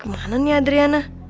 kemana nih adriana